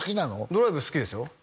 ドライブ好きですよ